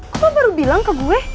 kok lo baru bilang ke gue